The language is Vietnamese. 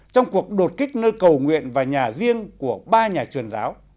trong cuộc đột kích nơi cầu nguyện và nhà riêng của ba nhà truyền giáo